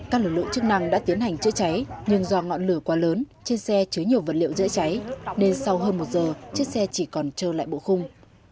các lực lượng chức năng đã tiến hành chữa cháy nhưng do ngọn lửa quá lớn trên xe chứa nhiều vật liệu dễ cháy nên sau hơn một giờ chiếc xe chỉ còn trơ lại bộ khung